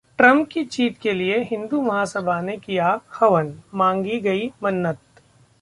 Trump की जीत के लिए हिंदू महासभा ने किया हवन, मांगी गई मन्नत